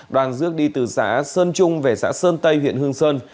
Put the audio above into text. đoàn rước đi từ xã sơn trung về xã sơn tây huyện hương sơn